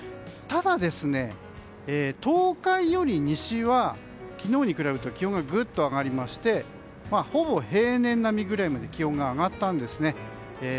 ただ、東海より西は昨日に比べると気温がぐっと上がりましてほぼ平年並みぐらいまで気温が上がったんですね。